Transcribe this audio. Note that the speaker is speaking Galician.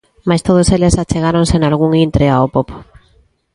Mais todos eles achegáronse nalgún intre ao pop.